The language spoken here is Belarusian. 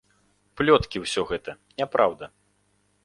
Плёткі ўсё гэта, няпраўда.